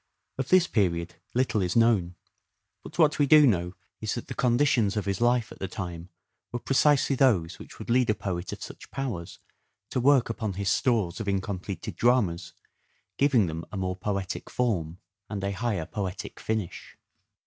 Of this period little is known : but what we do know is that the conditions of his life at the time were precisely those which would lead a poet of such powers to work upon his stores of incompleted dramas, giving them a more poetic form and a higher poetic finish.